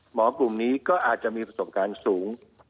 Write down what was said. กลุ่มนี้ก็อาจจะมีประสบการณ์สูง